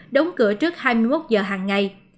đóng cửa trước hai mươi một giờ hàng ngày